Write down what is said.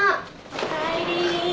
おかえりー。